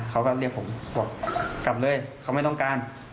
กลัวร้านไม่ต้องการ